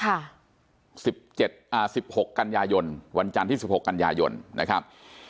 สิบเจ็ดอ่าสิบหกกันยายนวันจันทร์ที่สิบหกกันยายนนะครับ